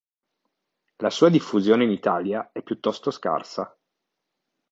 La sua diffusione in Italia è piuttosto scarsa.